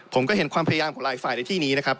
ผมก็เห็นความพยายามของหลายฝ่ายในที่นี้นะครับ